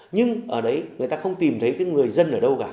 nhưng ở đấy người ta không tìm thấy cái người dân ở đâu cả